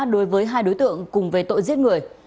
đối với hai đối tượng cùng về tội giết người